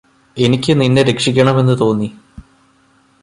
എനിക്ക് നിന്നെ രക്ഷിക്കണമെന്ന് തോന്നി